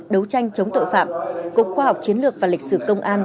đấu tranh chống tội phạm cục khoa học chiến lược và lịch sử công an